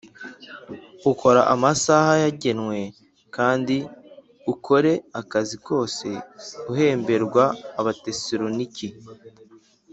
ukora amasaha yagenwe kandi ukore akazi kose uhemberwa Abatesalonike